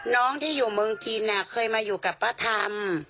น้องที่อยู่เมืองจีนเคยมาอยู่กับป้าธรรม